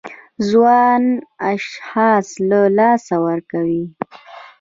ځوان اشخاص له لاسه ورکوي.